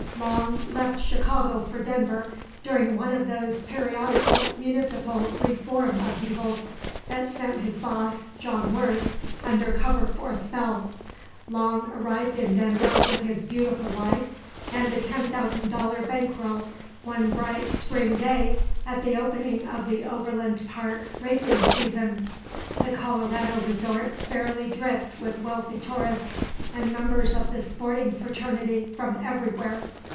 Long left Chicago for Denver during one of those periodical municipal reform upheavals that sent his boss, John Worth, under cover for a spell. Long arrived in Denver with his beautiful wife and a $10,000 bank roll one bright spring day at the opening of the Overland Park racing season. The Colorado resort fairly dripped with wealthy tourists and members of the sporting fraternity from everywhere.